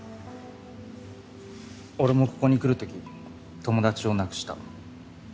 俺もここに来るとき友達を亡くした。